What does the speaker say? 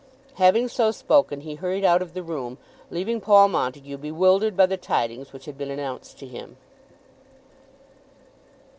Having so spoken he hurried out of the room, leaving Paul Montague bewildered by the tidings which had been announced to him.